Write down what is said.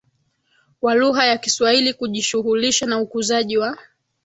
wa lugha ya kiswahili Kujishughulisha na ukuzaji wa